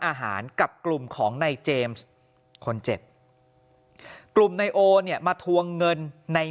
อาหารกับกลุ่มของนายเจมส์คนเจ็บกลุ่มนายโอเนี่ยมาทวงเงินใน